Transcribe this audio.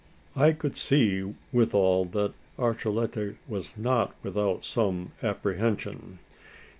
I could see withal that Archilete was not without some apprehension.